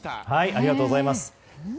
ありがとうございます。